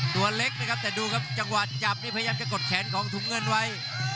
ตัวเล็กนะครับแต่ดูครับจังหวะจับนี่พยายามจะกดแขนของถุงเงินไว้